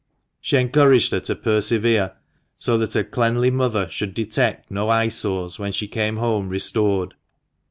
She encouraged her to persevere, so that her cleanly mother should detect no eyesores when she came home restored.